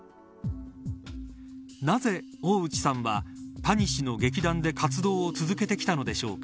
なぜ大内さんは谷氏の劇団で活動を続けてきたのでしょうか。